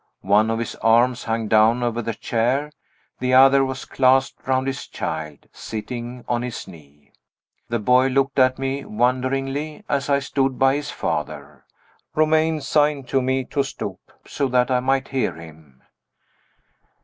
One of his arms hung down over the chair; the other was clasped round his child, sitting on his knee. The boy looked at me wonderingly, as I stood by his father. Romayne signed to me to stoop, so that I might hear him.